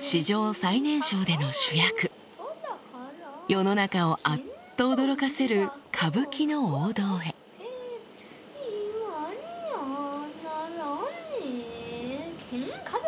史上最年少での主役世の中をあっと驚かせる歌舞伎の王道へ言わにゃならねえケンカ。